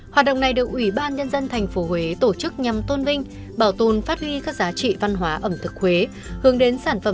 hoạt động này được ủy ban nhân dân tp huế tổ chức nhằm tôn vinh bảo tồn phát huy các giá trị văn hóa ẩm thực huế